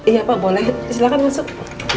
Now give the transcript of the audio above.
iya pak boleh silahkan masuk